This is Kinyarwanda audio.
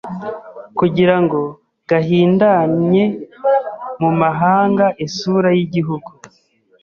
kugira ngo bahindanye mu mahanga isura y'igihugu